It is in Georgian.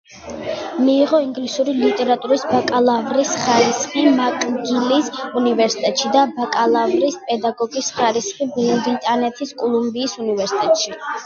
მიიღო ინგლისური ლიტერატურის ბაკალავრის ხარისხი მაკგილის უნივერსიტეტში და ბაკალავრის პედაგოგის ხარისხი ბრიტანეთის კოლუმბიის უნივერსიტეტში.